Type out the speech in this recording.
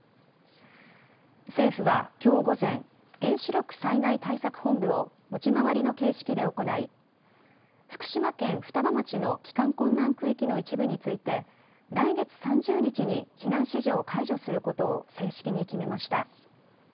政府はきょう午前、原子力災害対策本部を持ち回りの形式で行い福島県双葉町の帰還困難区域の一部について来月３０日に避難指示を解除することを正式に決めました。